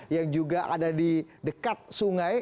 yang juga ada di dekat sungai